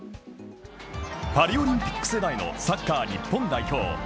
パリオリンピック世代のサッカー日本代表。